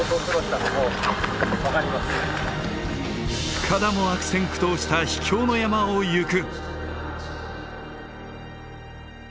深田も悪戦苦闘した秘境の山を行く。